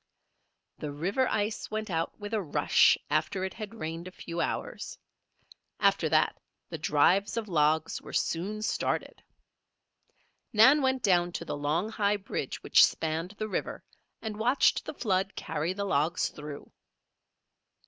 The river ice went out with a rush after it had rained a few hours; after that the "drives" of logs were soon started. Nan went down to the long, high bridge which spanned the river and watched the flood carry the logs through.